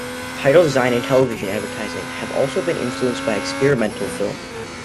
Title design and television advertising have also been influenced by experimental film.